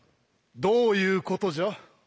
どういうことじゃ？